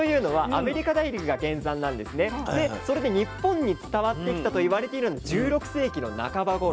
それで日本に伝わってきたと言われているのが１６世紀の半ばごろ。